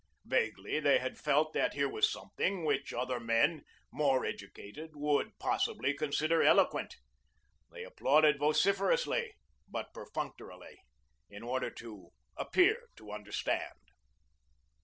Vaguely they had felt that here was something which other men more educated would possibly consider eloquent. They applauded vociferously but perfunctorily, in order to appear to understand.